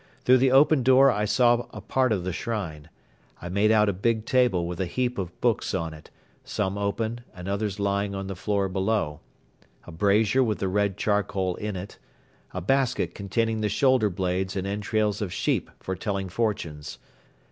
Through the open door I saw a part of the shrine. I made out a big table with a heap of books on it, some open and others lying on the floor below; a brazier with the red charcoal in it; a basket containing the shoulder blades and entrails of sheep for telling fortunes.